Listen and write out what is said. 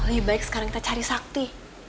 lebih baik sekarang kita cari sakti